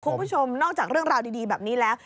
คุณผู้ชมนอกจากเรื่องราวดีแบบนี้แล้ว